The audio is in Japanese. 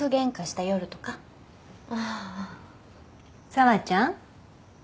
紗和ちゃん。